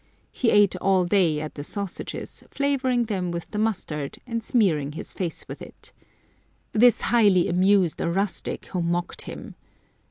He ate all day at the sausages, flavouring them with the mustard, and smearing his face with it. This highly amused a rustic, who mocked him.